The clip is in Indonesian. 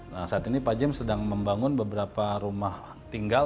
nah saat ini pak jem sedang membangun beberapa rumah tinggal